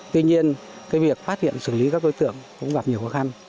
tuy nhiên việc phát hiện xử lý các đối tượng cũng gặp nhiều khó khăn